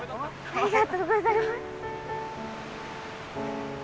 ありがとうございます。